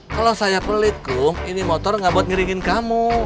kalau saya pelit kum ini motor gak buat ngiringin kamu